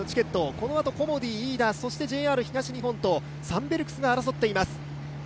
このあとコモディイイダ、そしてＪＲ東日本とサンベルクスが争っています。